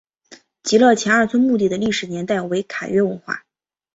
极乐前二村墓地的历史年代为卡约文化。